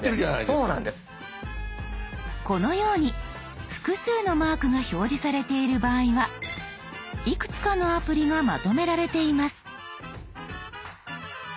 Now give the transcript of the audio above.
このように複数のマークが表示されている場合はいくつかのアプリがまとめられています。